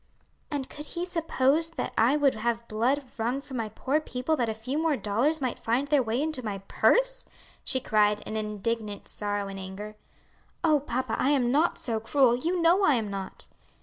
"And could he suppose that I would have blood wrung from my poor people that a few more dollars might find their way into my purse?" she cried in indignant sorrow and anger. "Oh, papa, I am not so cruel, you know I am not."